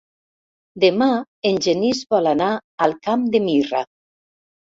Demà en Genís vol anar al Camp de Mirra.